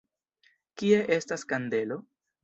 Kie estas kandelo?